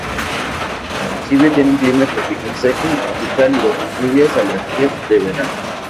El municipio tiene un clima tropical seco y cálido con lluvias aleatorias de verano.